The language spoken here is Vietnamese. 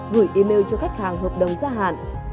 gửi email cho khách hàng hợp đồng gia hạn